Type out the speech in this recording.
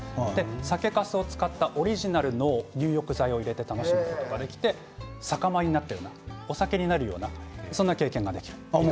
酒かすを使ったオリジナルの入浴剤を入れて楽しむことができて酒米になったようなお酒になるようなそんな経験ができる。